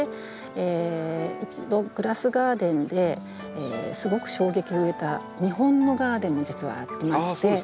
一度グラスガーデンですごく衝撃を受けた日本のガーデンも実はありまして。